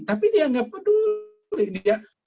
tapi dia nggak peduli